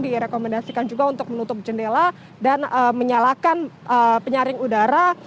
direkomendasikan juga untuk menutup jendela dan menyalakan penyaring udara